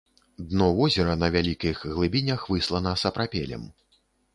Дно возера на вялікіх глыбінях выслана сапрапелем.